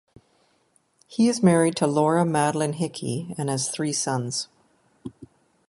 He is married to Laura Madelaine Hickey and has three sons.